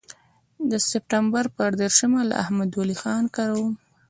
د سپټمبر پر دېرشمه له احمد ولي خان کره وم.